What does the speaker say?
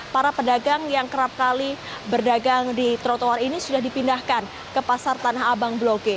para pedagang yang kerap kali berdagang di trotoar ini sudah dipindahkan ke pasar tanah abang bloge